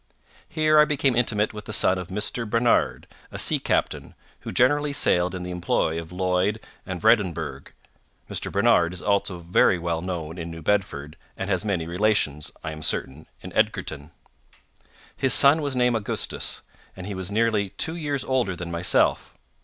Here I became intimate with the son of Mr. Barnard, a sea captain, who generally sailed in the employ of Lloyd and Vredenburgh—Mr. Barnard is also very well known in New Bedford, and has many relations, I am certain, in Edgarton. His son was named Augustus, and he was nearly two years older than myself.